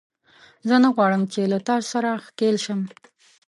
زه نه غواړم چې له تاسو سره ښکېل شم